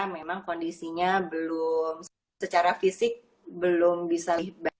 memang kondisinya belum secara fisik belum bisa